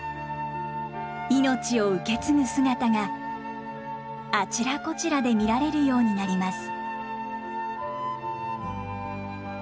命を受け継ぐ姿があちらこちらで見られるようになります。